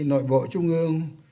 nội bộ trung ương